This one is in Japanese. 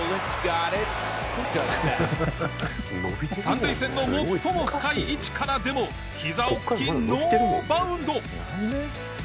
三塁線の最も深い位置からでもひざをつきノーバウンド。